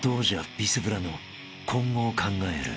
ビスブラの今後を考える］